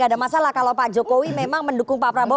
tidak ada masalah kalau pak jokowi memang mendukung pak prabowo